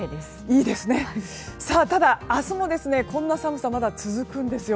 ただ、明日もこんな寒さまだ続くんです。